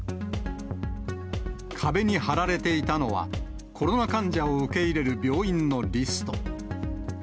壁に貼られていたのは、コロナ患者を受け入れる病院のリスト。